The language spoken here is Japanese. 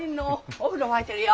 お風呂沸いてるよ。